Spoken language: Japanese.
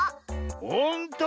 ほんとだ！